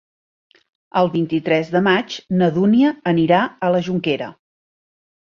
El vint-i-tres de maig na Dúnia anirà a la Jonquera.